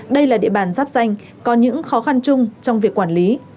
đây là địa bàn giáp danh có những khó khăn chung trong việc quản lý